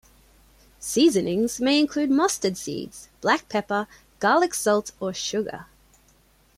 Seasonings may include mustard seeds, black pepper, garlic salt, or sugar.